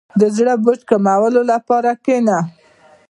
• د زړه بوج کمولو لپاره کښېنه.